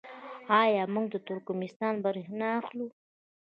آیا موږ له ترکمنستان بریښنا اخلو؟